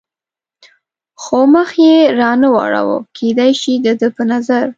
خو مخ یې را نه واړاوه، کېدای شي د ده په نظر.